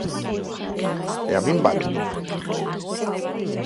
E a min váleme.